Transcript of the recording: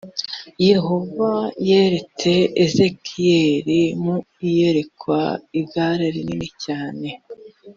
yehova yeretse ezekiyeli mu iyerekwa igare rinini cyane